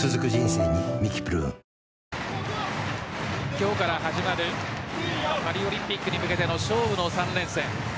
今日から始まるパリオリンピックに向けての勝負の３連戦。